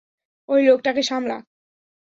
ওই লোকটাকে সামলা।